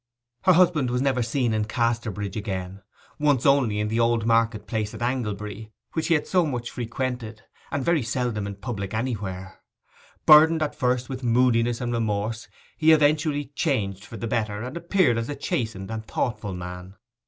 Her husband was never seen in Casterbridge again; once only in the old market place at Anglebury, which he had so much frequented, and very seldom in public anywhere. Burdened at first with moodiness and remorse, he eventually changed for the better, and appeared as a chastened and thoughtful man.